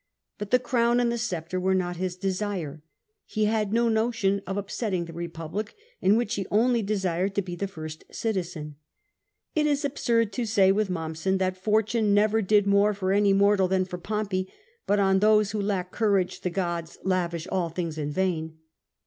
But the crown and the sceptre were not his desire. He had no notion of upsetting the Republic, in which he only desired to be the first citizen. It is absurd to say with Mommsen that " fortune never did more for any morlal than for Pompey, but on those who lack courage the gods lavish all things in vain."